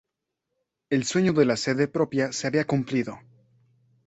El sueño de la sede propia se había cumplido.